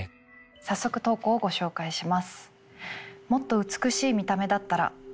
早速投稿をご紹介します。